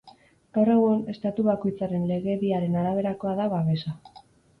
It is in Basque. Gaur egun, estatu bakoitzaren legediaren araberakoa da babesa.